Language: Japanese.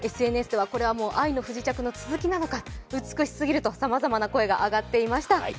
ＳＮＳでは、これはもう「愛の不時着」の続きなのか、美しすぎるとさまざまな声が上がっていました。